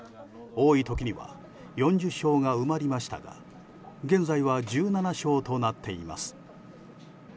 多い時には４０床が埋まりましたが現在は１７床となっています。